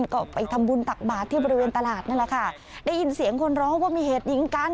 ก็ไปทำบุญตักบาทที่บริเวณตลาดนั่นแหละค่ะได้ยินเสียงคนร้องว่ามีเหตุยิงกัน